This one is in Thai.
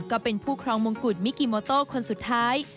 ก็เป็นผู้ครองมงกุฎมิกิโมโต้คนสุดท้าย